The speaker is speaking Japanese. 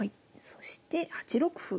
そして８六歩。